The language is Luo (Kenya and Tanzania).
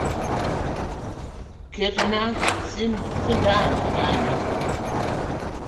Ketna sindan kanyo